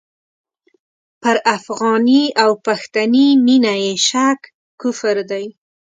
پر افغاني او پښتني مینه یې شک کفر دی.